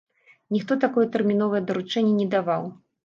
Ніхто такое тэрміновае даручэнне не даваў.